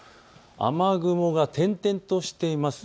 雨雲が点々としています。